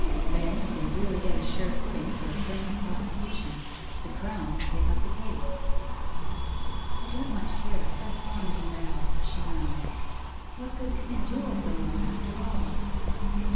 Then, if we really get a sure footing for a criminal prosecution, the Crown will take up the case.' 'I don't much care to press on in the matter,' she murmured. 'What good can it do us, Owen, after all?